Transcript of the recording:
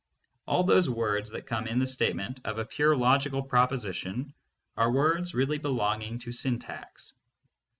All those words that come in the statement of a pure logical proposition are words really belonging to syntax.